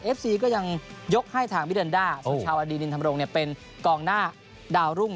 ซีก็ยังยกให้ทางมิรันดาสุชาวดีนินธรรมรงค์เป็นกองหน้าดาวรุ่ง